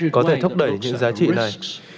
có thể thúc đẩy những giá trị này